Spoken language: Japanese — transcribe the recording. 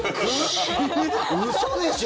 嘘でしょ？